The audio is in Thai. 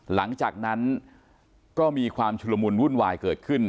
หลังจากนั้นก็มีความชุลมุนวุ่นวายเกิดขึ้น